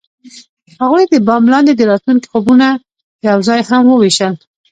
هغوی د بام لاندې د راتلونکي خوبونه یوځای هم وویشل.